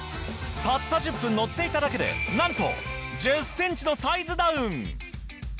たった１０分乗っていただけでなんと１０センチのサイズダウン！